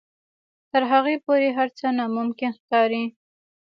تر هغې پورې هر څه ناممکن ښکاري.